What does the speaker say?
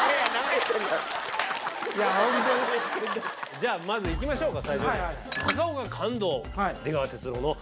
じゃあまず行きましょうか。